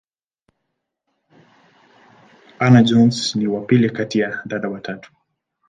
Hannah-Jones ni wa pili kati ya dada watatu.